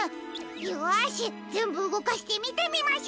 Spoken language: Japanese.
よしぜんぶうごかしてみてみましょう！